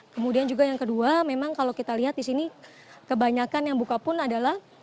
kemudian juga yang kedua memang kalau kita lihat di sini kebanyakan yang buka pun adalah